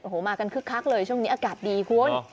โอ้โหมากันคึกคักเลยช่วงนี้อากาศดีคุณ